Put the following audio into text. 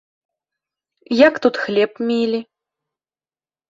Як тут хлеб мелі?